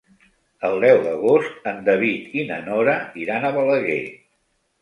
El deu d'agost en David i na Nora iran a Balaguer.